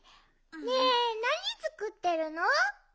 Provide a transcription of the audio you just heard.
ねえなにつくってるの？